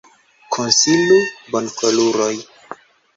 Konsilu, bonkoruloj!